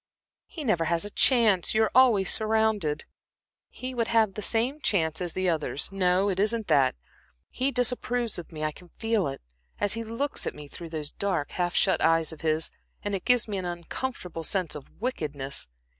"He never has a chance. You are always surrounded." "He would have the same chance as the others. No, it isn't that. He disapproves of me; I can feel it, as he looks at me through those dark, half shut eyes of his, and it gives me an uncomfortable sense of wickedness.